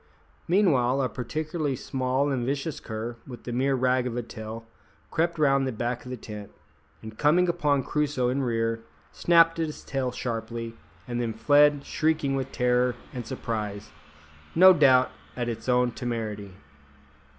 Meanwhile a particularly small and vicious cur, with a mere rag of a tail, crept round by the back of the tent, and coming upon Crusoe in rear, snapped at his tail sharply, and then fled shrieking with terror and surprise, no doubt, at its own temerity.